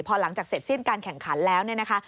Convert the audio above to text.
พอหลังจากเสร็จสิ้นการแข่งขันแล้วเนี่ยนะคะ